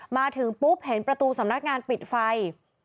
มาถึงปุ๊บเห็นประตูสำนักงานปิดไฟ